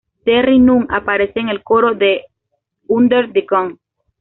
Terri Nunn aparece en el coro de "Under The Gun".